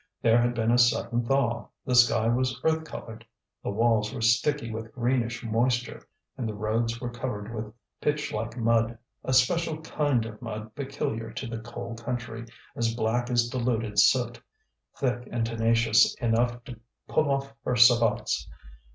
There had been a sudden thaw; the sky was earth coloured, the walls were sticky with greenish moisture, and the roads were covered with pitch like mud, a special kind of mud peculiar to the coal country, as black as diluted soot, thick and tenacious enough to pull off her sabots.